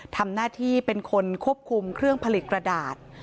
ทำหน้าที่เป็นคนควบคุมเครื่องผลิตกระดาษ